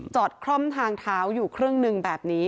คล่อมทางเท้าอยู่ครึ่งหนึ่งแบบนี้